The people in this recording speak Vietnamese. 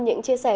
những chia sẻ